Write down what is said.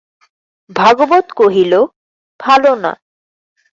ভাগবত কহিল, ভালো না।